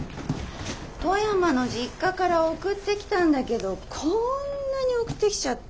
富山の実家から送ってきたんだけどこんなに送ってきちゃって。